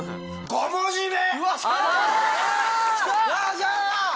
５文字目！